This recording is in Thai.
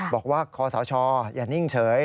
บอกว่าคอสาวชออย่านิ่งเฉย